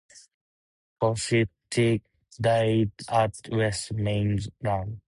Cosstick died at West Maitland.